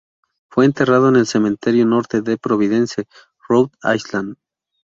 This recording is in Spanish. Fue enterrado en el cementerio norte de Providence, Rhode Island.